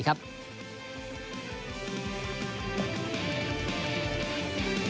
การเดินทาง